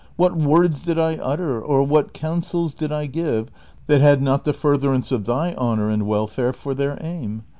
What words did 1 utter, or what counsels did I give that had not the furtherance of thy honor and welfare for their aim